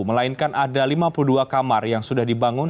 melainkan ada lima puluh dua kamar yang sudah dibangun